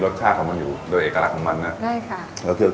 รสชาติของมันอยู่โดยเอกลักษณ์ของมันอ่ะได้ค่ะนี่จะเป็นเอกลักษณ์เลยค่ะ